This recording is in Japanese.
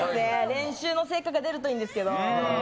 練習の成果が出るといいんですけど。